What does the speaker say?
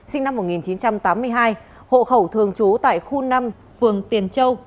sinh năm một nghìn chín trăm tám mươi hai hộ khẩu thường trú tại khu năm phường tiền châu